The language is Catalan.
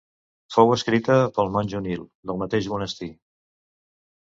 Fou escrita pel monjo Nil, del mateix monestir.